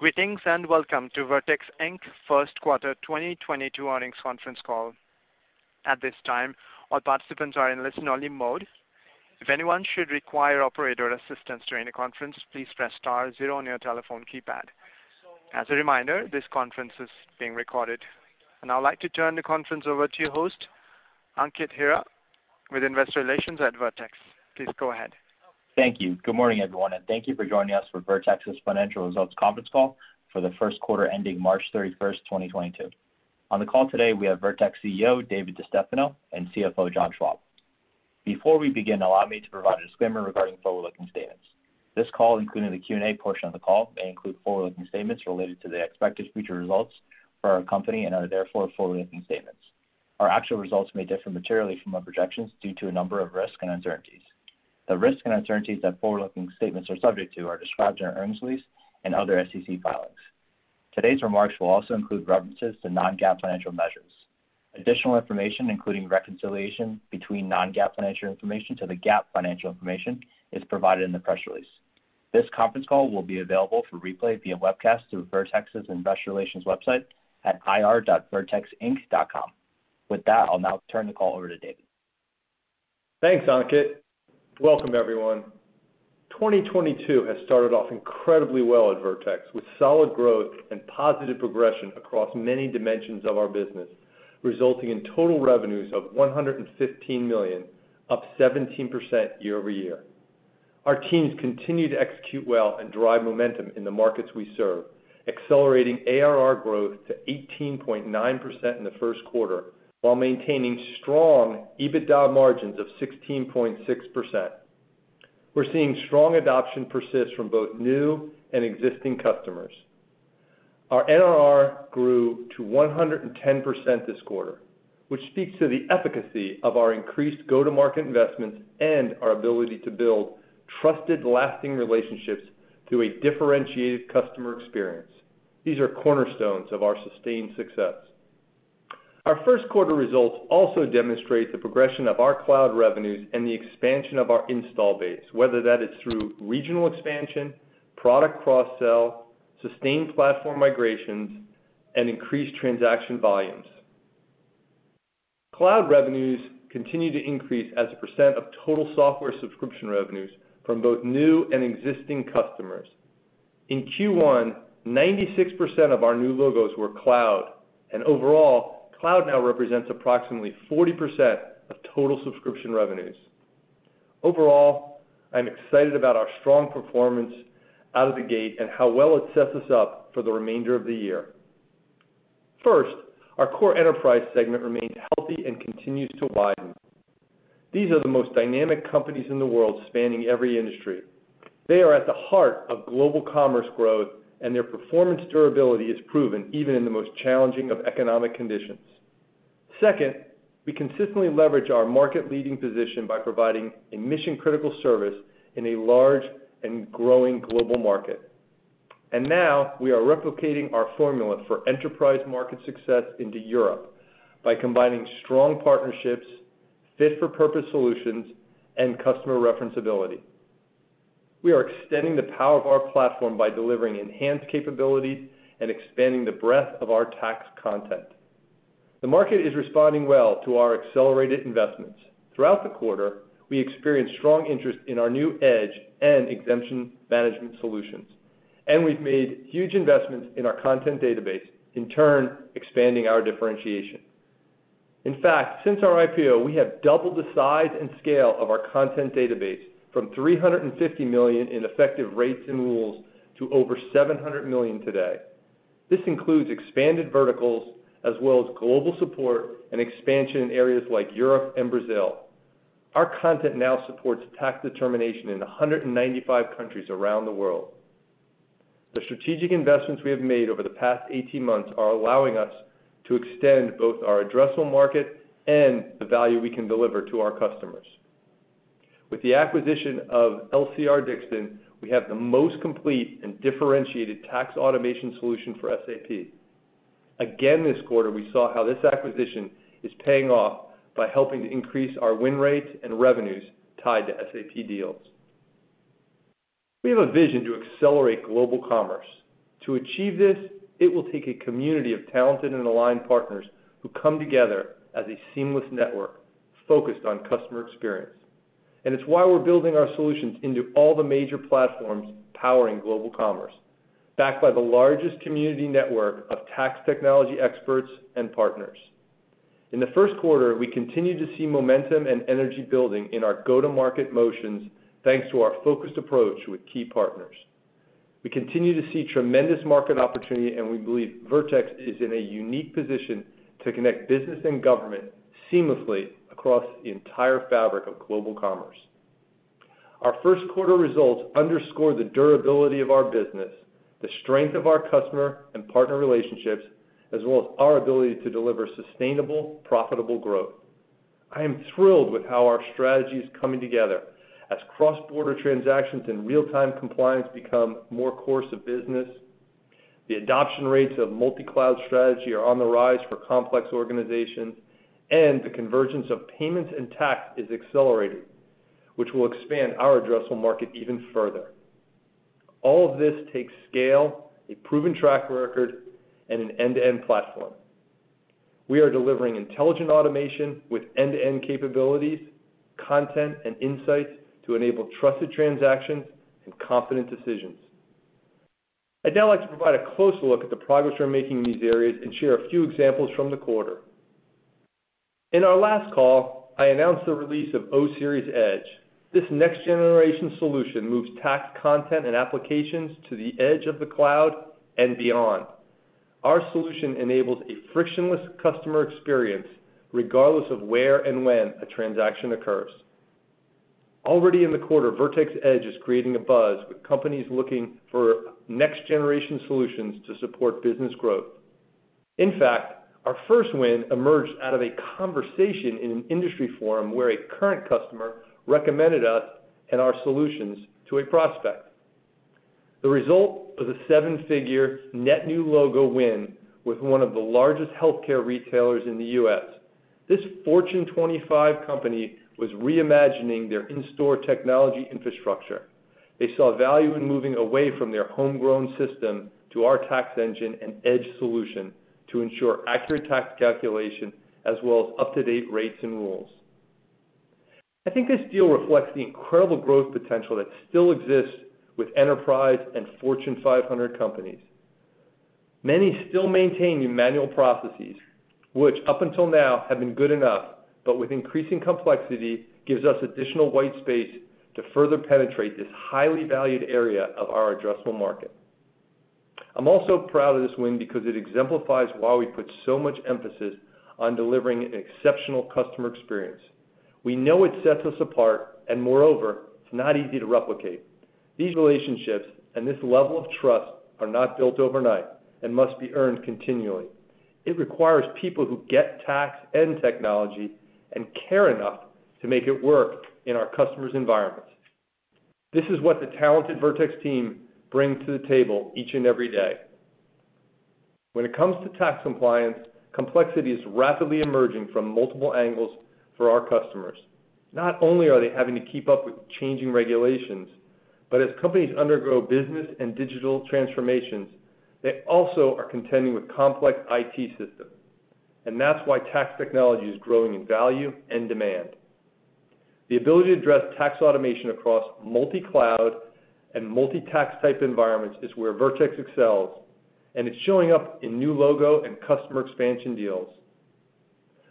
Greetings, and welcome to Vertex, Inc.'s first quarter 2022 earnings conference call. At this time, all participants are in listen-only mode. If anyone should require operator assistance during the conference, please press star zero on your telephone keypad. As a reminder, this conference is being recorded. I'd like to turn the conference over to your host, Ankit Hira, with investor relations at Vertex. Please go ahead. Thank you. Good morning, everyone, and thank you for joining us for Vertex's financial results conference call for the first quarter ending March 31, 2022. On the call today, we have Vertex CEO, David DeStefano, and CFO, John Schwab. Before we begin, allow me to provide a disclaimer regarding forward-looking statements. This call, including the Q&A portion of the call, may include forward-looking statements related to the expected future results for our company and are therefore forward-looking statements. Our actual results may differ materially from our projections due to a number of risks and uncertainties. The risks and uncertainties that forward-looking statements are subject to are described in our earnings release and other SEC filings. Today's remarks will also include references to non-GAAP financial measures. Additional information, including reconciliation between non-GAAP financial information to the GAAP financial information, is provided in the press release. This conference call will be available for replay via webcast through Vertex's investor relations website at ir.vertexinc.com. With that, I'll now turn the call over to David. Thanks, Ankit. Welcome, everyone. 2022 has started off incredibly well at Vertex, with solid growth and positive progression across many dimensions of our business, resulting in total revenues of $115 million, up 17% year-over-year. Our teams continue to execute well and drive momentum in the markets we serve, accelerating ARR growth to 18.9% in the first quarter, while maintaining strong EBITDA margins of 16.6%. We're seeing strong adoption persist from both new and existing customers. Our NRR grew to 110% this quarter, which speaks to the efficacy of our increased go-to-market investments and our ability to build trusted, lasting relationships through a differentiated customer experience. These are cornerstones of our sustained success. Our first quarter results also demonstrate the progression of our cloud revenues and the expansion of our install base, whether that is through regional expansion, product cross-sell, sustained platform migrations, and increased transaction volumes. Cloud revenues continue to increase as a percent of total software subscription revenues from both new and existing customers. In Q1, 96% of our new logos were cloud, and overall, cloud now represents approximately 40% of total subscription revenues. Overall, I'm excited about our strong performance out of the gate and how well it sets us up for the remainder of the year. First, our core enterprise segment remains healthy and continues to widen. These are the most dynamic companies in the world spanning every industry. They are at the heart of global commerce growth, and their performance durability is proven even in the most challenging of economic conditions. Second, we consistently leverage our market-leading position by providing a mission-critical service in a large and growing global market. Now, we are replicating our formula for enterprise market success into Europe by combining strong partnerships, fit-for-purpose solutions, and customer referenceability. We are extending the power of our platform by delivering enhanced capabilities and expanding the breadth of our tax content. The market is responding well to our accelerated investments. Throughout the quarter, we experienced strong interest in our new Edge and exemption management solutions. We've made huge investments in our content database, in turn, expanding our differentiation. In fact, since our IPO, we have doubled the size and scale of our content database from 350 million in effective rates and rules to over 700 million today. This includes expanded verticals as well as global support and expansion in areas like Europe and Brazil. Our content now supports tax determination in 195 countries around the world. The strategic investments we have made over the past 18 months are allowing us to extend both our addressable market and the value we can deliver to our customers. With the acquisition of LCR-Dixon, we have the most complete and differentiated tax automation solution for SAP. Again this quarter, we saw how this acquisition is paying off by helping to increase our win rates and revenues tied to SAP deals. We have a vision to accelerate global commerce. To achieve this, it will take a community of talented and aligned partners who come together as a seamless network focused on customer experience. It's why we're building our solutions into all the major platforms powering global commerce, backed by the largest community network of tax technology experts and partners. In the first quarter, we continued to see momentum and energy building in our go-to-market motions, thanks to our focused approach with key partners. We continue to see tremendous market opportunity, and we believe Vertex is in a unique position to connect business and government seamlessly across the entire fabric of global commerce. Our first quarter results underscore the durability of our business, the strength of our customer and partner relationships, as well as our ability to deliver sustainable, profitable growth. I am thrilled with how our strategy is coming together. As cross-border transactions and real-time compliance become more the course of business, the adoption rates of multi-cloud strategy are on the rise for complex organizations, and the convergence of payments and tax is accelerating, which will expand our addressable market even further. All of this takes scale, a proven track record, and an end-to-end platform. We are delivering intelligent automation with end-to-end capabilities, content and insights to enable trusted transactions and confident decisions. I'd now like to provide a closer look at the progress we're making in these areas and share a few examples from the quarter. In our last call, I announced the release of O Series Edge. This next-generation solution moves tax content and applications to the edge of the cloud and beyond. Our solution enables a frictionless customer experience regardless of where and when a transaction occurs. Already in the quarter, O Series Edge is creating a buzz with companies looking for next-generation solutions to support business growth. In fact, our first win emerged out of a conversation in an industry forum where a current customer recommended us and our solutions to a prospect. The result was a seven-figure net new logo win with one of the largest healthcare retailers in the U.S.. This Fortune 25 company was reimagining their in-store technology infrastructure. They saw value in moving away from their homegrown system to our tax engine and Edge solution to ensure accurate tax calculation as well as up-to-date rates and rules. I think this deal reflects the incredible growth potential that still exists with enterprise and Fortune 500 companies. Many still maintain manual processes, which up until now have been good enough, but with increasing complexity, gives us additional white space to further penetrate this highly valued area of our addressable market. I'm also proud of this win because it exemplifies why we put so much emphasis on delivering an exceptional customer experience. We know it sets us apart, and moreover, it's not easy to replicate. These relationships and this level of trust are not built overnight and must be earned continually. It requires people who get tax and technology and care enough to make it work in our customers' environments. This is what the talented Vertex team bring to the table each and every day. When it comes to tax compliance, complexity is rapidly emerging from multiple angles for our customers. Not only are they having to keep up with changing regulations, but as companies undergo business and digital transformations, they also are contending with complex IT systems. That's why tax technology is growing in value and demand. The ability to address tax automation across multi-cloud and multi-tax type environments is where Vertex excels, and it's showing up in new logo and customer expansion deals.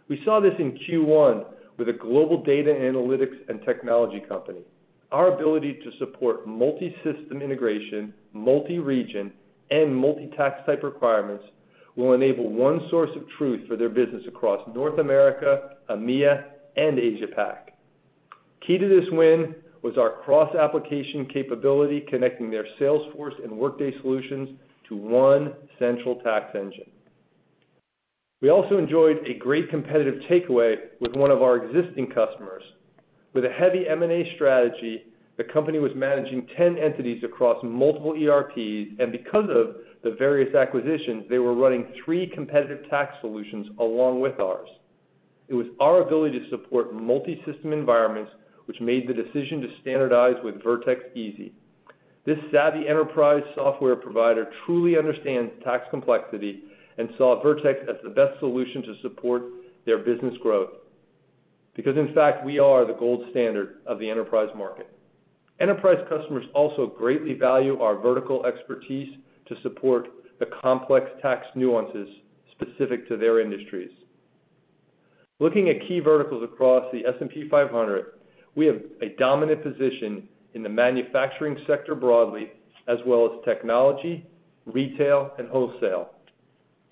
We saw this in Q1 with a global data analytics and technology company. Our ability to support multi-system integration, multi-region, and multi-tax type requirements will enable one source of truth for their business across North America, EMEA, and AsiaPac. Key to this win was our cross-application capability connecting their Salesforce and Workday solutions to one central tax engine. We also enjoyed a great competitive takeaway with one of our existing customers. With a heavy M&A strategy, the company was managing 10 entities across multiple ERPs, and because of the various acquisitions, they were running three competitive tax solutions along with ours. It was our ability to support multi-system environments which made the decision to standardize with Vertex easy. This savvy enterprise software provider truly understands tax complexity and saw Vertex as the best solution to support their business growth. Because in fact, we are the gold standard of the enterprise market. Enterprise customers also greatly value our vertical expertise to support the complex tax nuances specific to their industries. Looking at key verticals across the S&P 500, we have a dominant position in the manufacturing sector broadly as well as technology, retail, and wholesale.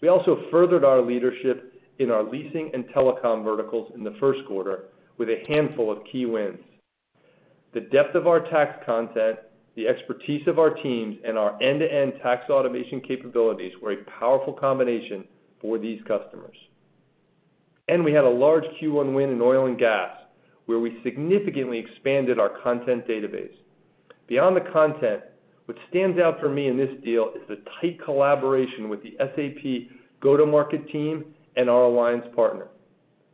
We also furthered our leadership in our leasing and telecom verticals in the first quarter with a handful of key wins. The depth of our tax content, the expertise of our teams, and our end-to-end tax automation capabilities were a powerful combination for these customers. We had a large Q1 win in oil and gas, where we significantly expanded our content database. Beyond the content, what stands out for me in this deal is the tight collaboration with the SAP go-to-market team and our alliance partner.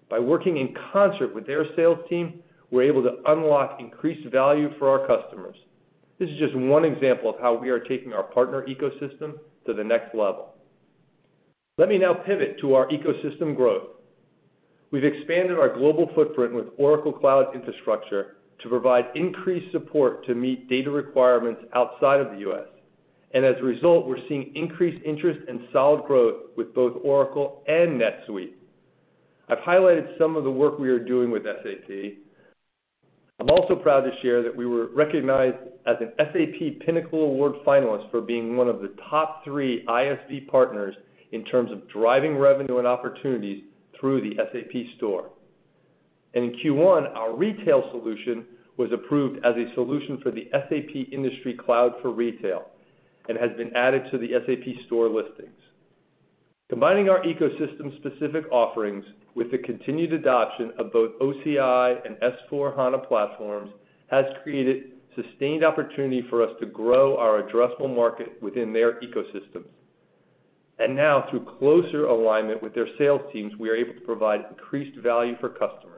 By working in concert with their sales team, we're able to unlock increased value for our customers. This is just one example of how we are taking our partner ecosystem to the next level. Let me now pivot to our ecosystem growth. We've expanded our global footprint with Oracle Cloud Infrastructure to provide increased support to meet data requirements outside of the U.S. As a result, we're seeing increased interest and solid growth with both Oracle and NetSuite. I've highlighted some of the work we are doing with SAP. I'm also proud to share that we were recognized as an SAP Pinnacle Award finalist for being one of the top three ISV partners in terms of driving revenue and opportunities through the SAP Store. In Q1, our retail solution was approved as a solution for the SAP Industry Cloud for retail and has been added to the SAP Store listings. Combining our ecosystem-specific offerings with the continued adoption of both OCI and S/4HANA platforms has created sustained opportunity for us to grow our addressable market within their ecosystems. Now through closer alignment with their sales teams, we are able to provide increased value for customers.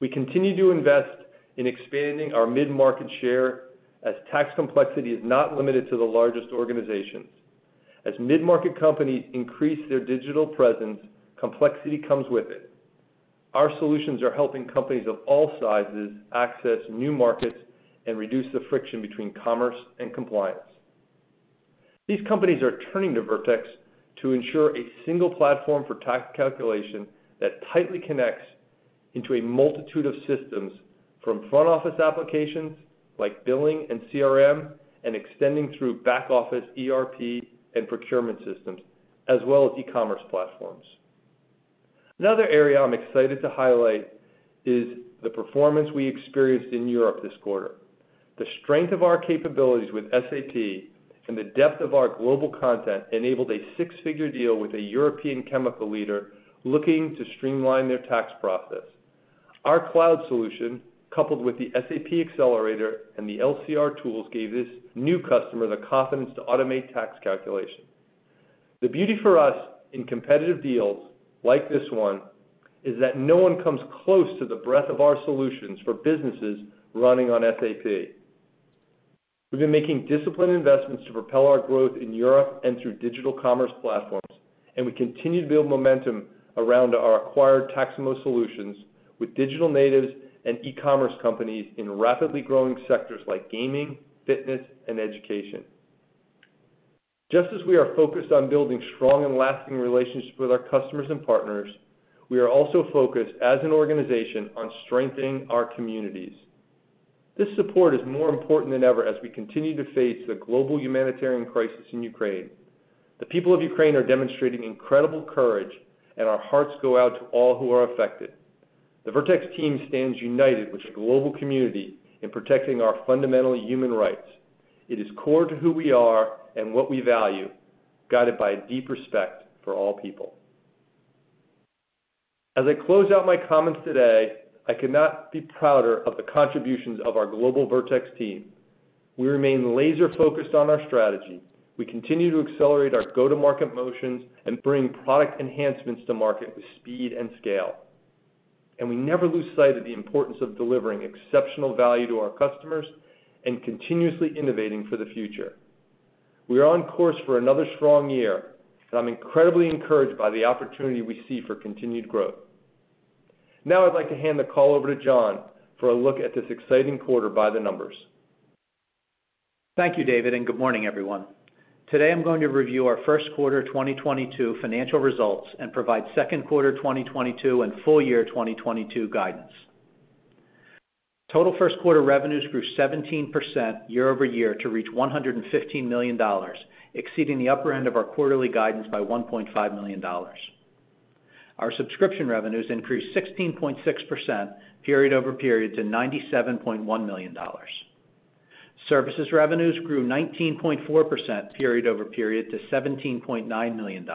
We continue to invest in expanding our mid-market share as tax complexity is not limited to the largest organizations. As mid-market companies increase their digital presence, complexity comes with it. Our solutions are helping companies of all sizes access new markets and reduce the friction between commerce and compliance. These companies are turning to Vertex to ensure a single platform for tax calculation that tightly connects into a multitude of systems from front office applications like billing and CRM and extending through back-office ERP and procurement systems, as well as e-commerce platforms. Another area I'm excited to highlight is the performance we experienced in Europe this quarter. The strength of our capabilities with SAP and the depth of our global content enabled a six-figure deal with a European chemical leader looking to streamline their tax process. Our cloud solution, coupled with the SAP accelerator and the LCR tools, gave this new customer the confidence to automate tax calculation. The beauty for us in competitive deals like this one is that no one comes close to the breadth of our solutions for businesses running on SAP. We've been making disciplined investments to propel our growth in Europe and through digital commerce platforms, and we continue to build momentum around our acquired Taxamo solutions with digital natives and e-commerce companies in rapidly growing sectors like gaming, fitness, and education. Just as we are focused on building strong and lasting relationships with our customers and partners, we are also focused as an organization on strengthening our communities. This support is more important than ever as we continue to face the global humanitarian crisis in Ukraine. The people of Ukraine are demonstrating incredible courage, and our hearts go out to all who are affected. The Vertex team stands united with the global community in protecting our fundamental human rights. It is core to who we are and what we value, guided by a deep respect for all people. As I close out my comments today, I could not be prouder of the contributions of our global Vertex team. We remain laser-focused on our strategy. We continue to accelerate our go-to-market motions and bring product enhancements to market with speed and scale. We never lose sight of the importance of delivering exceptional value to our customers and continuously innovating for the future. We are on course for another strong year, and I'm incredibly encouraged by the opportunity we see for continued growth. Now I'd like to hand the call over to John for a look at this exciting quarter by the numbers. Thank you, David, and good morning, everyone. Today I'm going to review our first quarter 2022 financial results and provide second quarter 2022 and full year 2022 guidance. Total first quarter revenues grew 17% year-over-year to reach $115 million, exceeding the upper end of our quarterly guidance by $1.5 million. Our subscription revenues increased 16.6% period-over-period to $97.1 million. Services revenues grew 19.4% period-over-period to $17.9 million.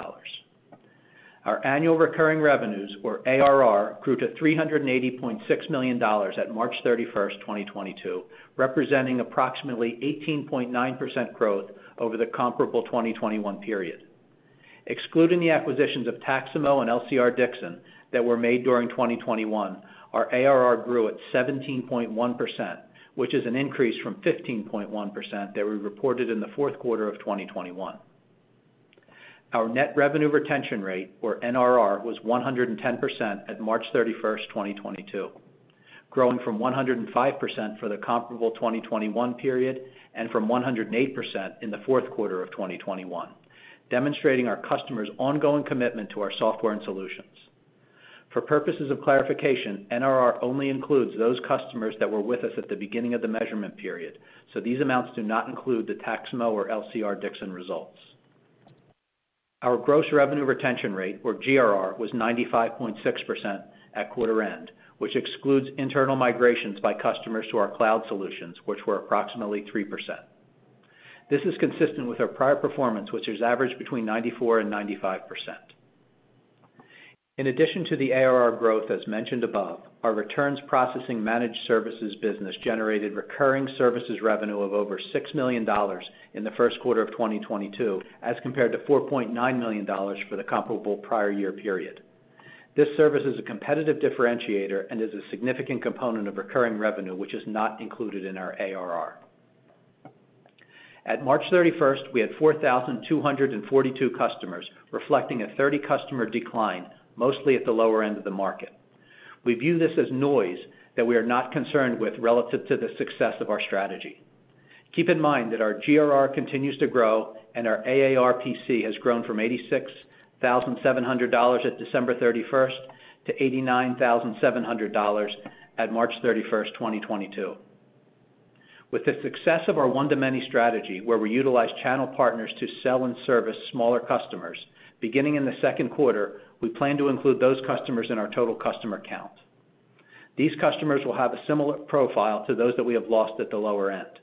Our annual recurring revenues, or ARR, grew to $380.6 million at March 31, 2022, representing approximately 18.9% growth over the comparable 2021 period. Excluding the acquisitions of Taxamo and LCR-Dixon that were made during 2021, our ARR grew at 17.1%, which is an increase from 15.1% that we reported in the fourth quarter of 2021. Our net revenue retention rate, or NRR, was 110% at March 31, 2022, growing from 105% for the comparable 2021 period and from 108% in the fourth quarter of 2021, demonstrating our customers' ongoing commitment to our software and solutions. For purposes of clarification, NRR only includes those customers that were with us at the beginning of the measurement period, so these amounts do not include the Taxamo or LCR-Dixon results. Our gross revenue retention rate, or GRR, was 95.6% at quarter end, which excludes internal migrations by customers to our cloud solutions, which were approximately 3%. This is consistent with our prior performance, which has averaged between 94%-95%. In addition to the ARR growth as mentioned above, our returns processing managed services business generated recurring services revenue of over $6 million in the first quarter of 2022 as compared to $4.9 million for the comparable prior year period. This service is a competitive differentiator and is a significant component of recurring revenue, which is not included in our ARR. At March 31st, we had 4,242 customers, reflecting a 30-customer decline, mostly at the lower end of the market. We view this as noise that we are not concerned with relative to the success of our strategy. Keep in mind that our GRR continues to grow, and our AARPC has grown from $86,700 at December 31st to $89,700 at March 31st, 2022. With the success of our one-to-many strategy, where we utilize channel partners to sell and service smaller customers, beginning in the second quarter, we plan to include those customers in our total customer count. These customers will have a similar profile to those that we have lost at the lower end.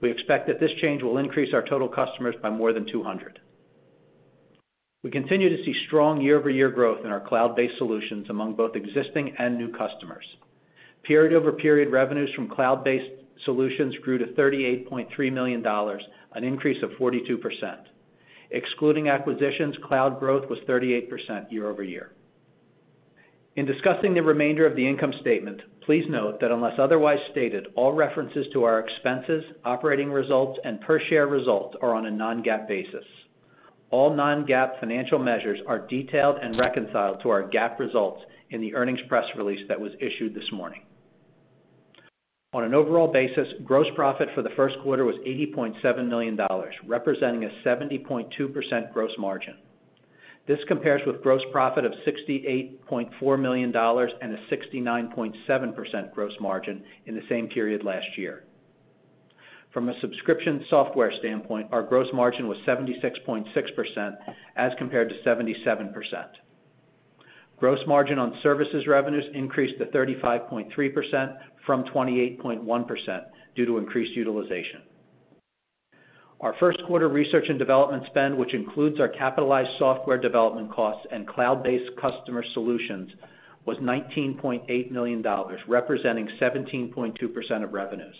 We expect that this change will increase our total customers by more than 200. We continue to see strong year-over-year growth in our cloud-based solutions among both existing and new customers. Period-over-period revenues from cloud-based solutions grew to $38.3 million, an increase of 42%. Excluding acquisitions, cloud growth was 38% year-over-year. In discussing the remainder of the income statement, please note that unless otherwise stated, all references to our expenses, operating results, and per share results are on a non-GAAP basis. All non-GAAP financial measures are detailed and reconciled to our GAAP results in the earnings press release that was issued this morning. On an overall basis, gross profit for the first quarter was $80.7 million, representing a 70.2% gross margin. This compares with gross profit of $68.4 million and a 69.7% gross margin in the same period last year. From a subscription software standpoint, our gross margin was 76.6% as compared to 77%. Gross margin on services revenues increased to 35.3% from 28.1% due to increased utilization. Our first quarter research and development spend, which includes our capitalized software development costs and cloud-based customer solutions, was $19.8 million, representing 17.2% of revenues.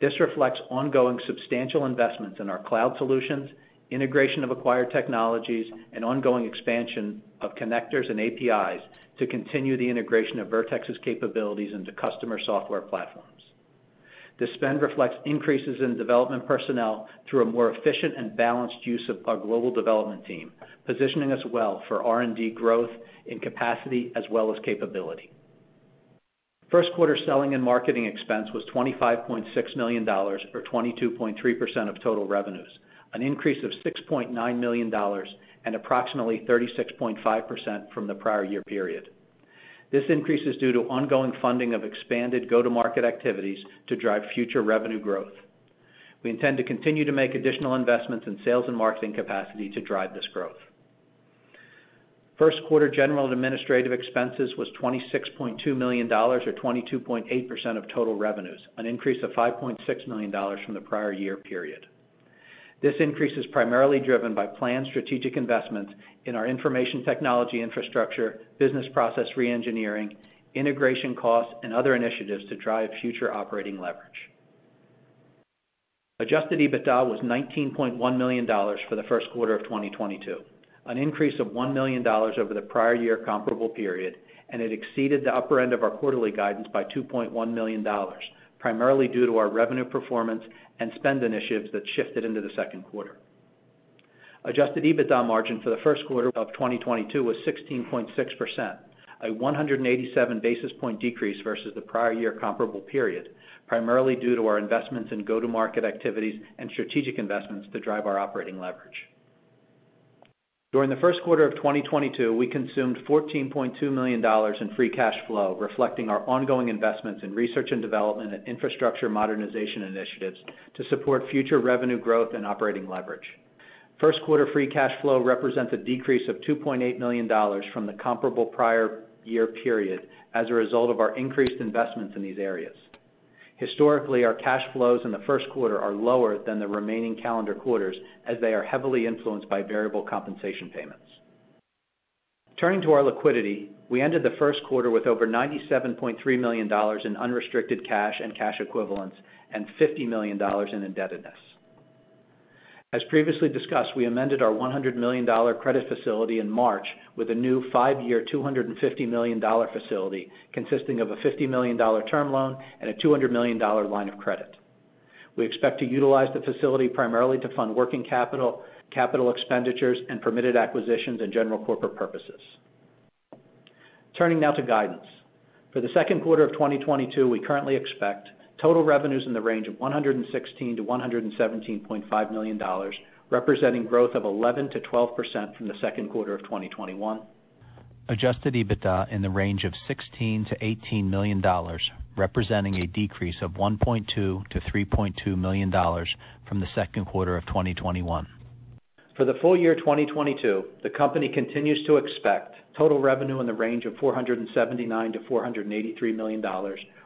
This reflects ongoing substantial investments in our cloud solutions, integration of acquired technologies, and ongoing expansion of connectors and APIs to continue the integration of Vertex's capabilities into customer software platforms. The spend reflects increases in development personnel through a more efficient and balanced use of our global development team, positioning us well for R&D growth in capacity as well as capability. First quarter selling and marketing expense was $25.6 million or 22.3% of total revenues, an increase of $6.9 million and approximately 36.5% from the prior year period. This increase is due to ongoing funding of expanded go-to-market activities to drive future revenue growth. We intend to continue to make additional investments in sales and marketing capacity to drive this growth. First quarter general and administrative expenses was $26.2 million or 22.8% of total revenues, an increase of $5.6 million from the prior year period. This increase is primarily driven by planned strategic investments in our information technology infrastructure, business process reengineering, integration costs, and other initiatives to drive future operating leverage. Adjusted EBITDA was $19.1 million for the first quarter of 2022, an increase of $1 million over the prior year comparable period, and it exceeded the upper end of our quarterly guidance by $2.1 million, primarily due to our revenue performance and spend initiatives that shifted into the second quarter. Adjusted EBITDA margin for the first quarter of 2022 was 16.6%, a 187 basis point decrease versus the prior year comparable period, primarily due to our investments in go-to-market activities and strategic investments to drive our operating leverage. During the first quarter of 2022, we consumed $14.2 million in free cash flow, reflecting our ongoing investments in research and development and infrastructure modernization initiatives to support future revenue growth and operating leverage. First quarter free cash flow represents a decrease of $2.8 million from the comparable prior year period as a result of our increased investments in these areas. Historically, our cash flows in the first quarter are lower than the remaining calendar quarters as they are heavily influenced by variable compensation payments. Turning to our liquidity, we ended the first quarter with over $97.3 million in unrestricted cash and cash equivalents and $50 million in indebtedness. As previously discussed, we amended our $100 million credit facility in March with a new five-year, $250 million facility consisting of a $50 million term loan and a $200 million line of credit. We expect to utilize the facility primarily to fund working capital expenditures, and permitted acquisitions and general corporate purposes. Turning now to guidance. For the second quarter of 2022, we currently expect total revenues in the range of $116 million-$117.5 million, representing growth of 11%-12% from the second quarter of 2021. Adjusted EBITDA in the range of $16 million-$18 million, representing a decrease of $1.2 million-$3.2 million from the second quarter of 2021. For the full year 2022, the company continues to expect total revenue in the range of $479 million-$483 million,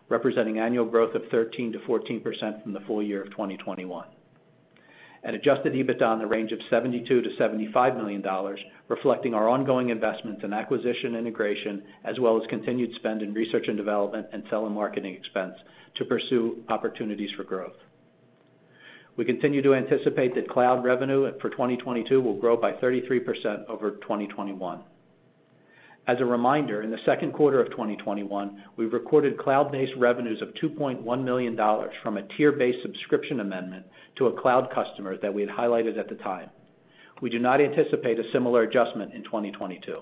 representing annual growth of 13%-14% from the full year of 2021. Adjusted EBITDA in the range of $72 million-$75 million, reflecting our ongoing investments in acquisition integration, as well as continued spend in research and development and sales and marketing expense to pursue opportunities for growth. We continue to anticipate that cloud revenue for 2022 will grow by 33% over 2021. As a reminder, in the second quarter of 2021, we recorded cloud-based revenues of $2.1 million from a tier-based subscription amendment to a cloud customer that we had highlighted at the time. We do not anticipate a similar adjustment in 2022.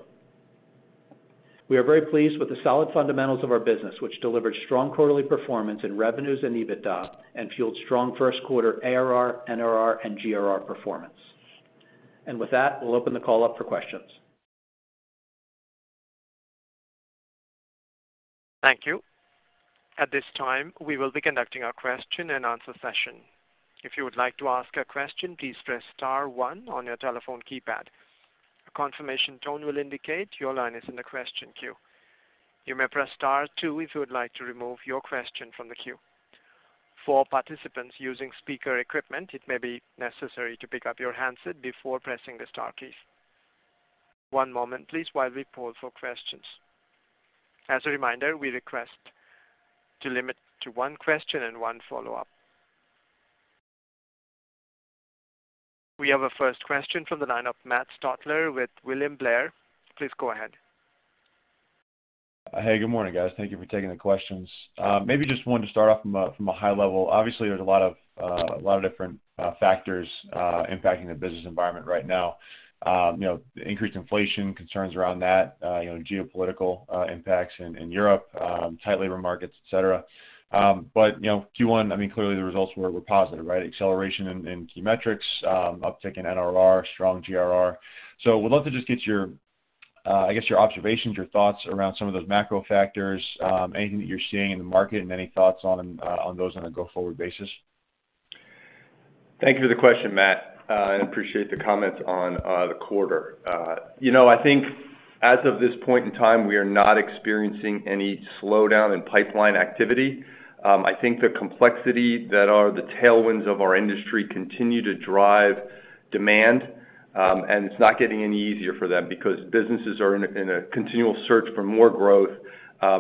We are very pleased with the solid fundamentals of our business, which delivered strong quarterly performance in revenues and EBITDA and fueled strong first quarter ARR, NRR, and GRR performance. With that, we'll open the call up for questions. Thank you. At this time, we will be conducting our question and answer session. If you would like to ask a question, please press star one on your telephone keypad. A confirmation tone will indicate your line is in the question queue. You may press star two if you would like to remove your question from the queue. For participants using speaker equipment, it may be necessary to pick up your handset before pressing the star key. One moment please while we poll for questions. As a reminder, we request to limit to one question and one follow-up. We have a first question from the line of Matt Stotler with William Blair. Please go ahead. Hey, good morning, guys. Thank you for taking the questions. Maybe just wanted to start off from a high level. Obviously, there's a lot of different factors impacting the business environment right now. You know, increased inflation, concerns around that, you know, geopolitical impacts in Europe, tight labor markets, etcetera. You know, Q1, I mean, clearly the results were positive, right? Acceleration in key metrics, uptick in NRR, strong GRR. Would love to just get your, I guess, your observations, your thoughts around some of those macro factors, anything that you're seeing in the market and any thoughts on those on a go-forward basis. Thank you for the question, Matt. I appreciate the comments on the quarter. You know, I think as of this point in time, we are not experiencing any slowdown in pipeline activity. I think the complexity that are the tailwinds of our industry continue to drive demand, and it's not getting any easier for them because businesses are in a continual search for more growth,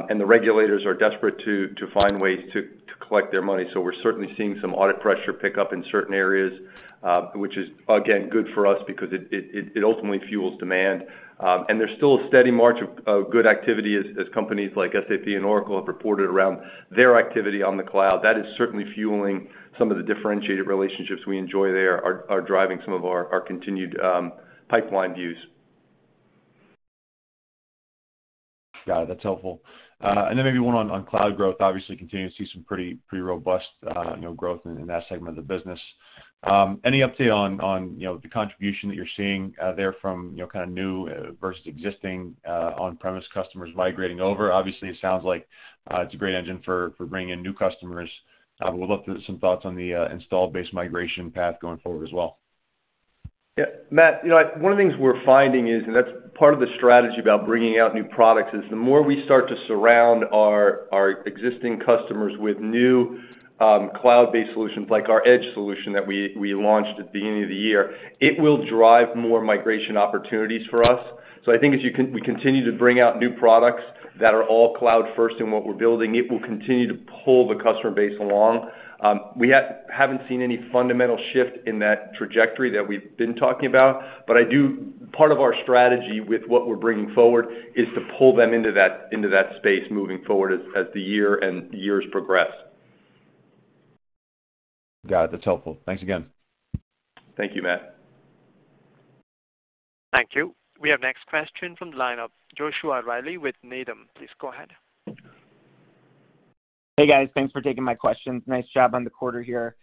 and the regulators are desperate to find ways to collect their money. We're certainly seeing some audit pressure pick up in certain areas, which is, again, good for us because it ultimately fuels demand. And there's still a steady march of good activity as companies like SAP and Oracle have reported around their activity on the cloud. That is certainly fueling some of the differentiated relationships we enjoy. They are driving some of our continued pipeline views. Got it. That's helpful. Then maybe one on cloud growth. Obviously, continuing to see some pretty robust growth in that segment of the business. Any update on the contribution that you're seeing there from kinda new versus existing on-premise customers migrating over? Obviously, it sounds like it's a great engine for bringing in new customers. Would love some thoughts on the install base migration path going forward as well. Yeah. Matt, you know, one of the things we're finding is, and that's part of the strategy about bringing out new products, is the more we start to surround our existing customers with new cloud-based solutions, like our Edge solution that we launched at the beginning of the year, it will drive more migration opportunities for us. I think we continue to bring out new products that are all cloud first in what we're building, it will continue to pull the customer base along. We haven't seen any fundamental shift in that trajectory that we've been talking about, but I do. Part of our strategy with what we're bringing forward is to pull them into that space moving forward as the year and years progress. Got it. That's helpful. Thanks again. Thank you, Matt. Thank you. We have next question from the line of Joshua Reilly with Needham. Please go ahead. Hey, guys. Thanks for taking my questions. Nice job on the quarter here.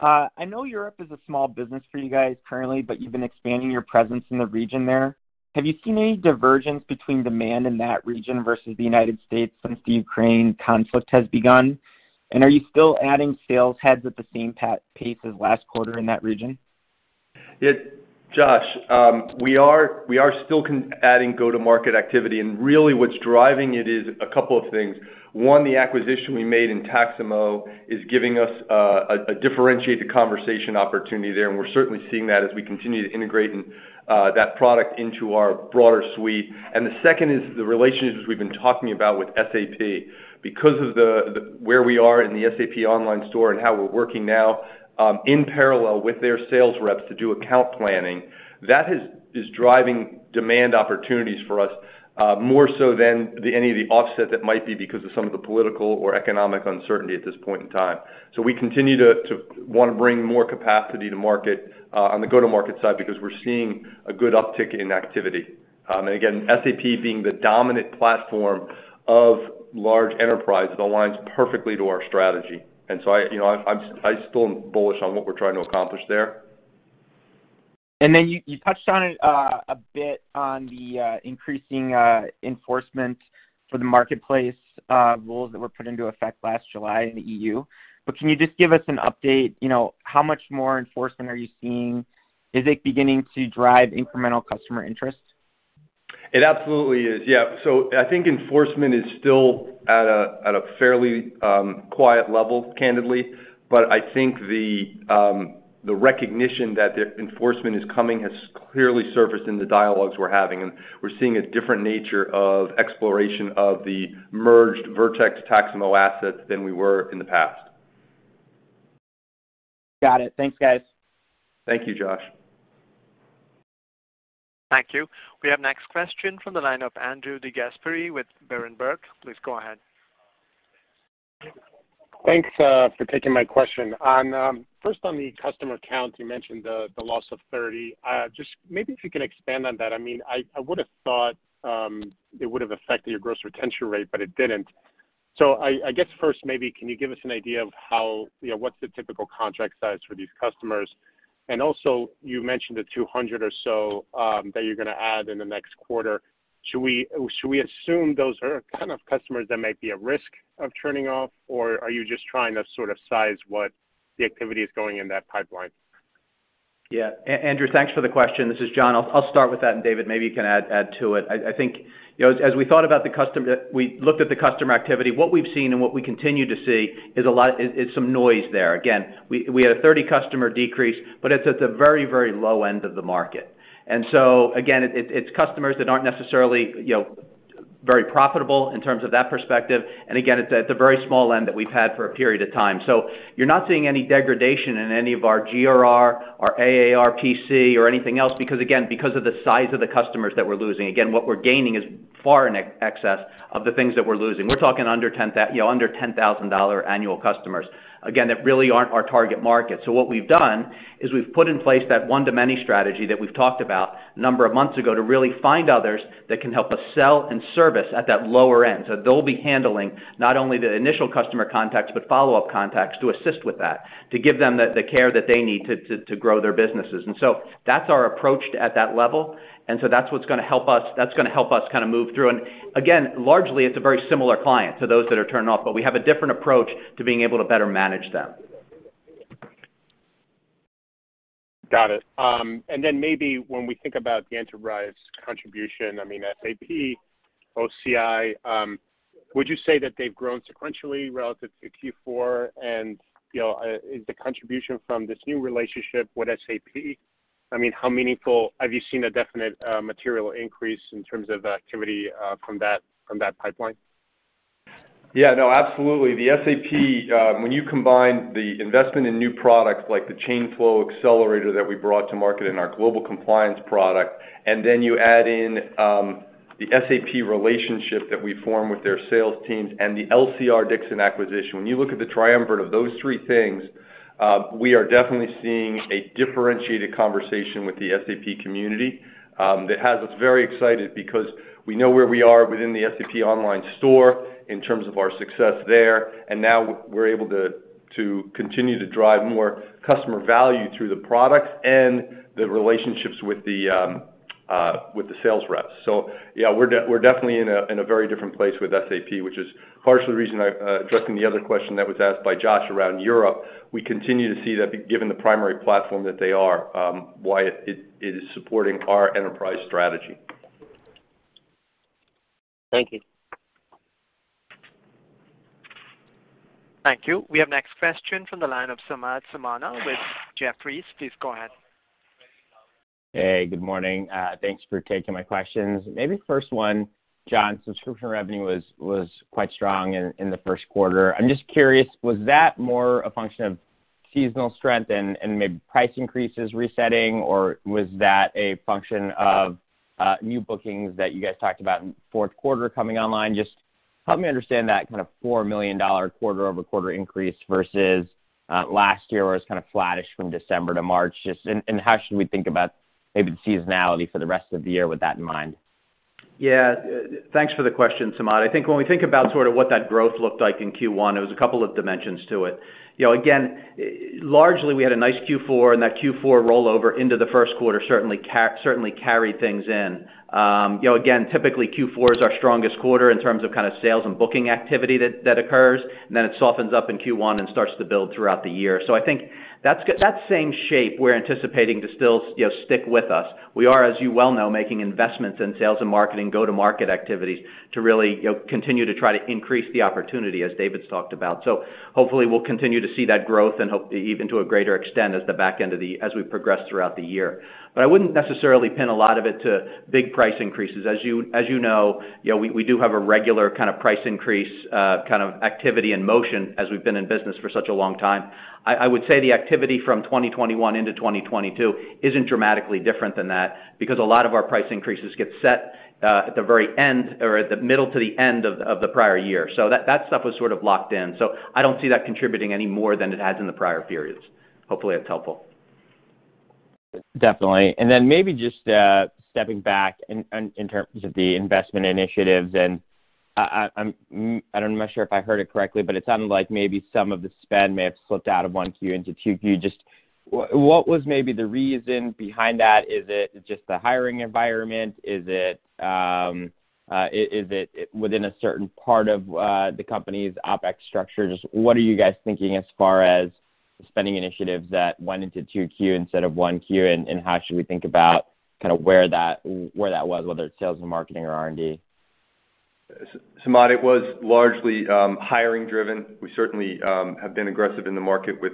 I know Europe is a small business for you guys currently, but you've been expanding your presence in the region there. Have you seen any divergence between demand in that region versus the United States since the Ukraine conflict has begun? And are you still adding sales heads at the same pace as last quarter in that region? Yeah. Josh, we are still adding go-to-market activity, and really what's driving it is a couple of things. One, the acquisition we made in Taxamo is giving us a differentiated conversation opportunity there, and we're certainly seeing that as we continue to integrate that product into our broader suite. The second is the relationships we've been talking about with SAP. Because of where we are in the SAP Store and how we're working now in parallel with their sales reps to do account planning, that is driving demand opportunities for us more so than any of the offset that might be because of some of the political or economic uncertainty at this point in time. We continue to wanna bring more capacity to market on the go-to-market side because we're seeing a good uptick in activity. Again, SAP being the dominant platform of large enterprise, it aligns perfectly to our strategy. I, you know, I still am bullish on what we're trying to accomplish there. You touched on it a bit on the increasing enforcement for the marketplace rules that were put into effect last July in the EU. Can you just give us an update, you know, how much more enforcement are you seeing? Is it beginning to drive incremental customer interest? It absolutely is. Yeah. I think enforcement is still at a fairly quiet level, candidly. I think the recognition that the enforcement is coming has clearly surfaced in the dialogues we're having, and we're seeing a different nature of exploration of the merged Vertex Taxamo assets than we were in the past. Got it. Thanks, guys. Thank you, Josh. Thank you. We have next question from the line of Andrew DeGasperi with Berenberg. Please go ahead. Thanks for taking my question. On first on the customer count, you mentioned the loss of 30. Just maybe if you can expand on that. I mean, I would have thought it would have affected your gross retention rate, but it didn't. I guess first, maybe can you give us an idea of how, you know, what's the typical contract size for these customers? And also, you mentioned the 200 or so that you're gonna add in the next quarter. Should we assume those are kind of customers that might be at risk of churning off, or are you just trying to sort of size what the activity is going in that pipeline? Yeah. Andrew, thanks for the question. This is John. I'll start with that, and David, maybe you can add to it. I think, you know, as we thought about the customer—we looked at the customer activity, what we've seen and what we continue to see is some noise there. Again, we had a 30 customer decrease, but it's at the very low end of the market. Again, it's customers that aren't necessarily, you know, very profitable in terms of that perspective. Again, it's at the very small end that we've had for a period of time. You're not seeing any degradation in any of our GRR or AARPC or anything else because of the size of the customers that we're losing. Again, what we're gaining is far in excess of the things that we're losing. We're talking under $10,000 annual customers, you know, that really aren't our target market. What we've done is we've put in place that one to many strategy that we've talked about a number of months ago to really find others that can help us sell and service at that lower end. They'll be handling not only the initial customer contacts, but follow-up contacts to assist with that, to give them the care that they need to grow their businesses. That's our approach at that level, and that's what's gonna help us kinda move through. Again, largely, it's a very similar client to those that are turning off, but we have a different approach to being able to better manage them. Got it. Then maybe when we think about the enterprise contribution, I mean, SAP, OCI, would you say that they've grown sequentially relative to Q4? You know, is the contribution from this new relationship with SAP, I mean, how meaningful? Have you seen a definite material increase in terms of activity from that pipeline? Yeah, no, absolutely. The SAP, when you combine the investment in new products like the Chain Flow Accelerator that we brought to market and our global compliance product, and then you add in the SAP relationship that we form with their sales teams and the LCR-Dixon acquisition. When you look at the triumvirate of those three things, we are definitely seeing a differentiated conversation with the SAP community that has us very excited because we know where we are within the SAP online store in terms of our success there. Now we're able to continue to drive more customer value through the product and the relationships with the sales reps. Yeah, we're definitely in a very different place with SAP, which is partially the reason I'm addressing the other question that was asked by Josh around Europe. We continue to see that given the primary platform that they are, why it is supporting our enterprise strategy. Thank you. Thank you. We have next question from the line of Samad Samana with Jefferies. Please go ahead. Hey, good morning. Thanks for taking my questions. Maybe first one, John, subscription revenue was quite strong in the first quarter. I'm just curious, was that more a function of seasonal strength and maybe price increases resetting, or was that a function of new bookings that you guys talked about in fourth quarter coming online? Just help me understand that kind of $4 million quarter-over-quarter increase versus last year where it was kind of flattish from December to March. How should we think about maybe the seasonality for the rest of the year with that in mind? Yeah. Thanks for the question, Samad. I think when we think about sort of what that growth looked like in Q1, it was a couple of dimensions to it. You know, again, largely we had a nice Q4, and that Q4 rollover into the first quarter certainly carried things in. You know, again, typically Q4 is our strongest quarter in terms of kind of sales and booking activity that occurs, and then it softens up in Q1 and starts to build throughout the year. I think that's that same shape we're anticipating to still, you know, stick with us. We are, as you well know, making investments in sales and marketing, go-to-market activities to really, you know, continue to try to increase the opportunity as David's talked about. Hopefully we'll continue to see that growth and hope even to a greater extent as we progress throughout the year. I wouldn't necessarily pin a lot of it to big price increases. As you know, we do have a regular kind of price increase kind of activity in motion as we've been in business for such a long time. I would say the activity from 2021 into 2022 isn't dramatically different than that because a lot of our price increases get set at the very end or at the middle to the end of the prior year. That stuff was sort of locked in, so I don't see that contributing any more than it has in the prior periods. Hopefully, that's helpful. Definitely. Maybe just stepping back in terms of the investment initiatives, and I'm not sure if I heard it correctly, but it sounded like maybe some of the spend may have slipped out of 1Q into 2Q. Just what was maybe the reason behind that? Is it just the hiring environment? Is it within a certain part of the company's OpEx structure? Just what are you guys thinking as far as spending initiatives that went into 2Q instead of 1Q, and how should we think about kind of where that was, whether it's sales and marketing or R&D? Samad, it was largely hiring driven. We certainly have been aggressive in the market with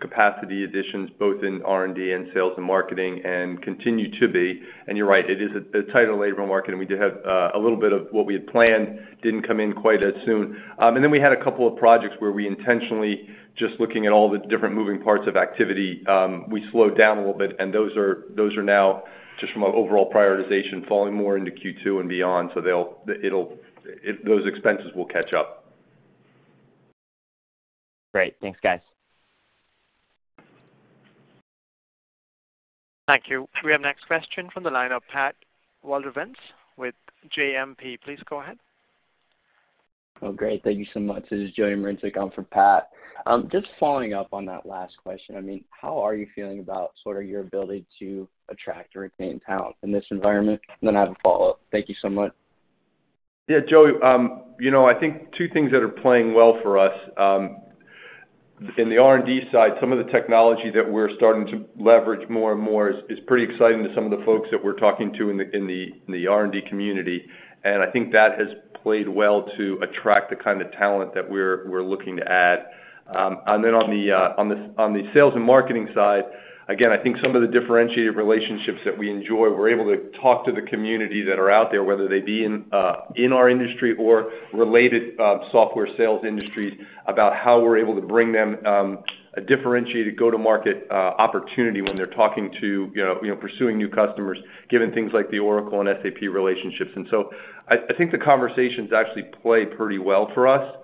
capacity additions, both in R&D and sales and marketing and continue to be. You're right, it is a tighter labor market, and we did have a little bit of what we had planned didn't come in quite as soon. We had a couple of projects where we intentionally just looking at all the different moving parts of activity, we slowed down a little bit, and those are now just from an overall prioritization falling more into Q2 and beyond. Those expenses will catch up. Great. Thanks, guys. Thank you. We have next question from the line of Pat Walravens with JMP. Please go ahead. Oh, great. Thank you so much. This is Joey Marincek, I'm for Pat. Just following up on that last question, I mean, how are you feeling about sort of your ability to attract or retain talent in this environment? I have a follow-up. Thank you so much. Yeah, Joey, you know, I think two things that are playing well for us in the R&D side, some of the technology that we're starting to leverage more and more is pretty exciting to some of the folks that we're talking to in the R&D community. I think that has played well to attract the kind of talent that we're looking to add. On the sales and marketing side, again, I think some of the differentiated relationships that we enjoy. We're able to talk to the community that are out there, whether they be in our industry or related software sales industry, about how we're able to bring them a differentiated go-to-market opportunity when they're talking to, you know, pursuing new customers, given things like the Oracle and SAP relationships. I think the conversations actually play pretty well for us.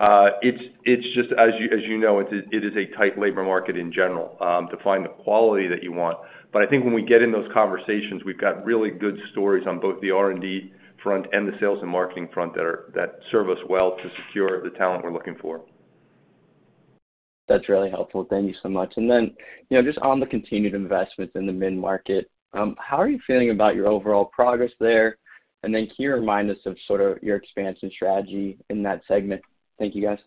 It's just as you know, it is a tight labor market in general to find the quality that you want. I think when we get in those conversations, we've got really good stories on both the R&D front and the sales and marketing front that serve us well to secure the talent we're looking for. That's really helpful. Thank you so much. You know, just on the continued investments in the mid-market, how are you feeling about your overall progress there? Can you remind us of sort of your expansion strategy in that segment? Thank you, guys.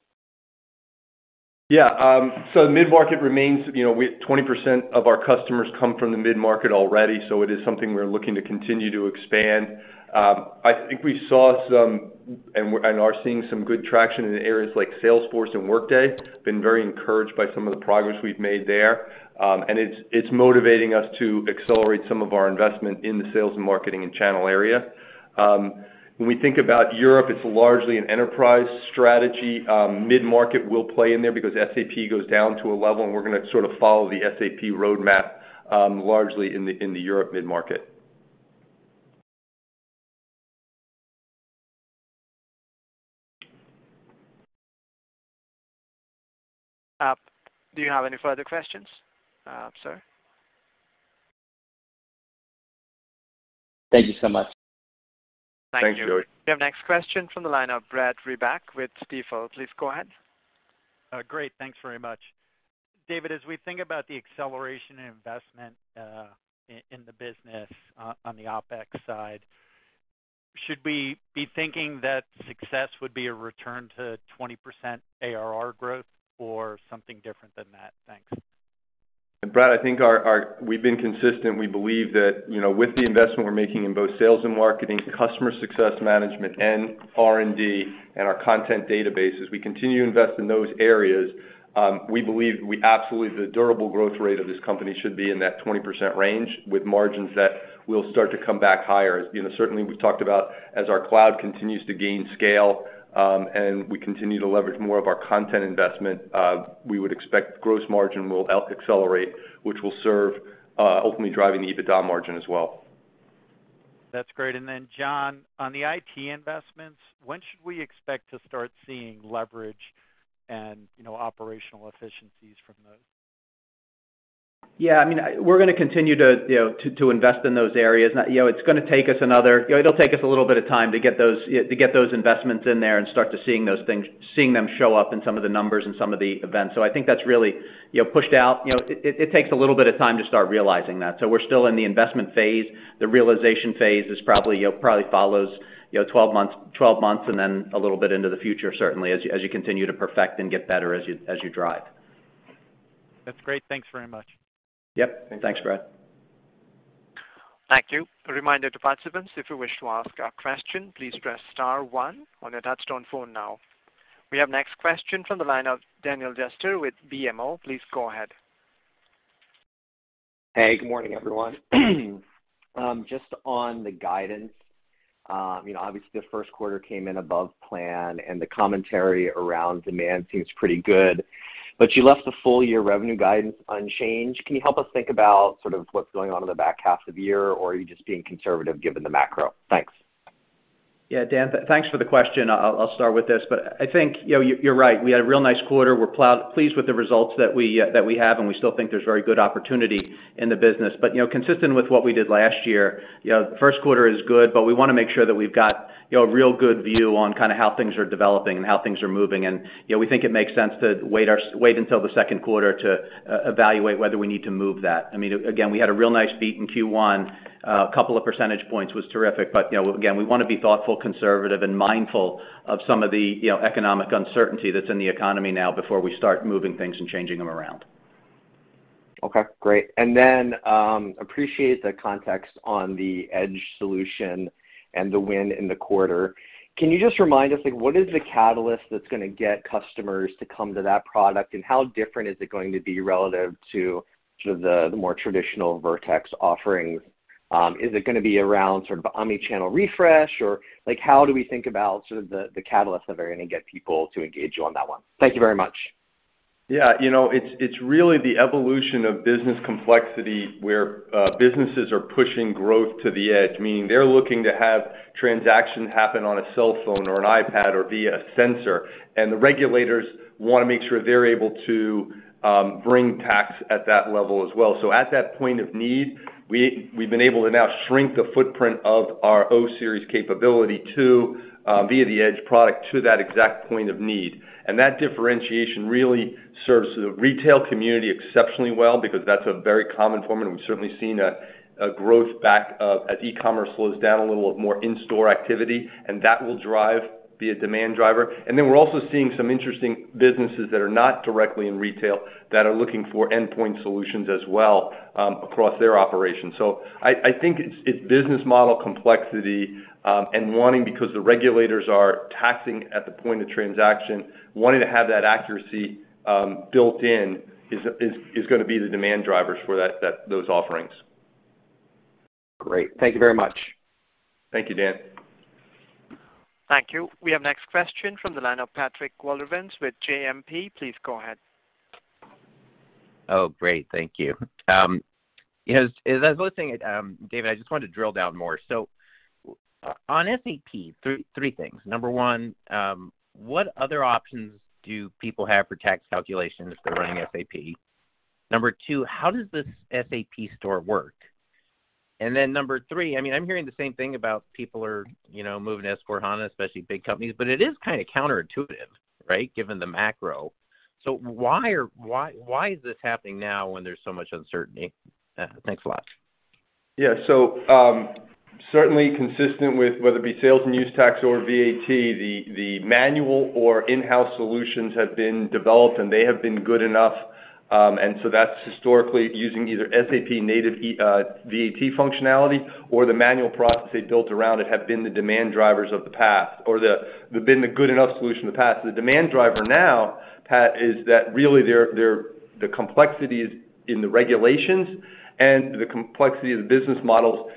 Yeah. Mid-market remains, you know, twenty percent of our customers come from the mid-market already. It is something we're looking to continue to expand. I think we saw some and are seeing some good traction in areas like Salesforce and Workday. Been very encouraged by some of the progress we've made there. It's motivating us to accelerate some of our investment in the sales and marketing and channel area. When we think about Europe, it's largely an enterprise strategy. Mid-market will play in there because SAP goes down to a level and we're gonna sort of follow the SAP roadmap, largely in the Europe mid-market. Do you have any further questions, sir? Thank you so much. Thanks, Joey. We have next question from the line of Brad Reback with Stifel. Please go ahead. Great. Thanks very much. David, as we think about the acceleration and investment, in the business on the OpEx side, should we be thinking that success would be a return to 20% ARR growth or something different than that? Thanks. Brad, I think we've been consistent. We believe that, you know, with the investment we're making in both sales and marketing, customer success management, and R&D and our content databases, we continue to invest in those areas. We believe absolutely, the durable growth rate of this company should be in that 20% range with margins that will start to come back higher. You know, certainly we've talked about as our cloud continues to gain scale, and we continue to leverage more of our content investment, we would expect gross margin will help accelerate, which will serve ultimately driving the EBITDA margin as well. That's great. John, on the IT investments, when should we expect to start seeing leverage and, you know, operational efficiencies from those? Yeah. I mean, we're gonna continue to, you know, invest in those areas. You know, it'll take us a little bit of time to get those investments in there and start seeing them show up in some of the numbers and some of the events. So I think that's really, you know, pushed out. You know, it takes a little bit of time to start realizing that. So we're still in the investment phase. The realization phase is probably, you know, follows 12 months and then a little bit into the future, certainly as you continue to perfect and get better as you drive. That's great. Thanks very much. Yep. Thanks, Brad. Thank you. A reminder to participants, if you wish to ask a question, please press star one on your touchtone phone now. We have next question from the line of Daniel Jester with BMO. Please go ahead. Hey, good morning, everyone. Just on the guidance, you know, obviously the first quarter came in above plan and the commentary around demand seems pretty good, but you left the full year revenue guidance unchanged. Can you help us think about sort of what's going on in the back half of the year, or are you just being conservative given the macro? Thanks. Yeah, Dan, thanks for the question. I'll start with this. I think, you know, you're right. We had a real nice quarter. We're pleased with the results that we have, and we still think there's very good opportunity in the business. You know, consistent with what we did last year, you know, the first quarter is good, but we wanna make sure that we've got, you know, a real good view on kind of how things are developing and how things are moving. You know, we think it makes sense to wait until the second quarter to evaluate whether we need to move that. I mean, again, we had a real nice beat in Q1. A couple of percentage points was terrific. you know, again, we wanna be thoughtful, conservative, and mindful of some of the, you know, economic uncertainty that's in the economy now before we start moving things and changing them around. Okay, great. Appreciate the context on the Edge solution and the win in the quarter. Can you just remind us, like, what is the catalyst that's gonna get customers to come to that product, and how different is it going to be relative to sort of the more traditional Vertex offerings? Is it gonna be around sort of omni-channel refresh? Or like how do we think about sort of the catalyst that are gonna get people to engage you on that one? Thank you very much. Yeah, you know, it's really the evolution of business complexity where businesses are pushing growth to the edge, meaning they're looking to have transactions happen on a cell phone or an iPad or via a sensor, and the regulators wanna make sure they're able to bring tax at that level as well. So at that point of need, we've been able to now shrink the footprint of our O Series capability via the O Series Edge to that exact point of need. That differentiation really serves the retail community exceptionally well because that's a very common form, and we've certainly seen a growth backlog as e-commerce slows down, a little more in-store activity, and that will drive demand drivers. We're also seeing some interesting businesses that are not directly in retail that are looking for endpoint solutions as well, across their operations. I think it's business model complexity, and wanting because the regulators are taxing at the point of transaction, wanting to have that accuracy, built in is gonna be the demand drivers for those offerings. Great. Thank you very much. Thank you, Dan. Thank you. We have next question from the line of Pat Walravens with JMP. Please go ahead. Oh, great. Thank you. Yes, as I was listening, David, I just wanted to drill down more. On SAP, three things. Number one, what other options do people have for tax calculations if they're running SAP? Number two, how does this SAP store work? Then number three, I mean, I'm hearing the same thing about people are, you know, moving to S/4HANA, especially big companies, but it is kinda counterintuitive, right, given the macro. Why is this happening now when there's so much uncertainty? Thanks a lot. Yeah. Certainly consistent with whether it be sales and use tax or VAT, the manual or in-house solutions have been developed, and they have been good enough, and so that's historically using either SAP native VAT functionality or the manual process they built around it have been the demand drivers of the past, or they've been the good enough solution in the past. The demand driver now, Pat, is that really their complexities in the regulations and the complexity of the business models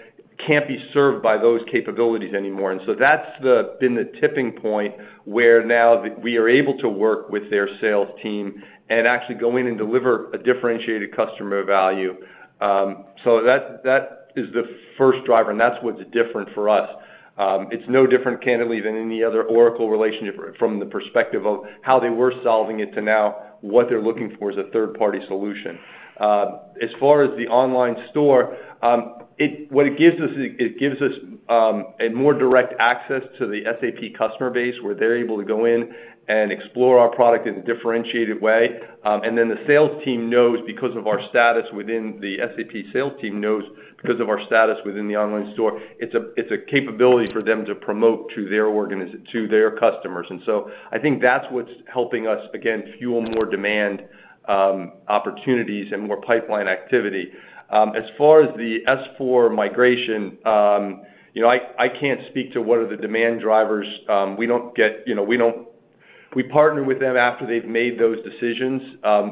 can't be served by those capabilities anymore. That's been the tipping point, where now we are able to work with their sales team and actually go in and deliver a differentiated customer value. That is the first driver, and that's what's different for us. It's no different candidly than any other Oracle relationship from the perspective of how they were solving it to now what they're looking for is a third-party solution. As far as the online store, what it gives us is a more direct access to the SAP customer base, where they're able to go in and explore our product in a differentiated way. And then the sales team knows because of our status within the online store, it's a capability for them to promote to their customers. I think that's what's helping us, again, fuel more demand, opportunities and more pipeline activity. As far as the S/4 migration, I can't speak to what are the demand drivers. We partner with them after they've made those decisions.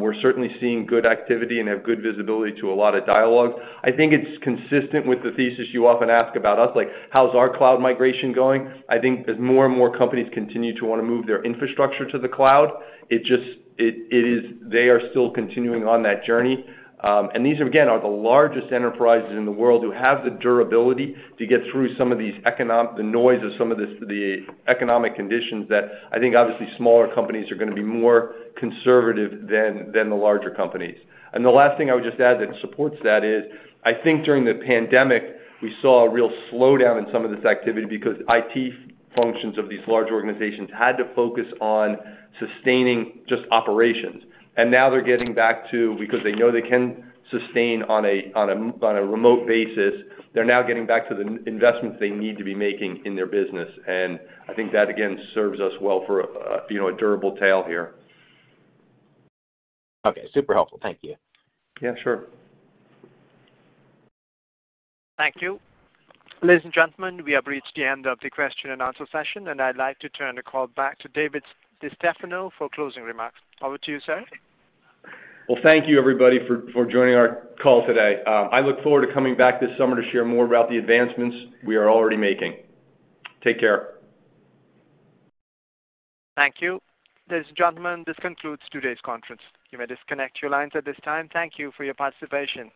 We're certainly seeing good activity and have good visibility to a lot of dialogue. I think it's consistent with the thesis you often ask about us, like how's our cloud migration going. I think as more and more companies continue to wanna move their infrastructure to the cloud, it is, they are still continuing on that journey. These, again, are the largest enterprises in the world who have the durability to get through some of these economic, the noise of some of this, the economic conditions that I think obviously smaller companies are gonna be more conservative than the larger companies. The last thing I would just add that supports that is, I think during the pandemic, we saw a real slowdown in some of this activity because IT functions of these large organizations had to focus on sustaining just operations. Now they're getting back to, because they know they can sustain on a remote basis, they're now getting back to the investments they need to be making in their business. I think that again serves us well for, you know, a durable tail here. Okay, super helpful. Thank you. Yeah, sure. Thank you. Ladies and gentlemen, we have reached the end of the question and answer session, and I'd like to turn the call back to David DeStefano for closing remarks. Over to you, sir. Well, thank you everybody for joining our call today. I look forward to coming back this summer to share more about the advancements we are already making. Take care. Thank you. Ladies and gentlemen, this concludes today's conference. You may disconnect your lines at this time. Thank you for your participation.